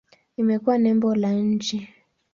Imekuwa nembo la nchi.